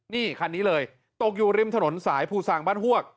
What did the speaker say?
นี่คันนี้เลยตกอยู่ริมถนนสายภูซางบ้านฮวก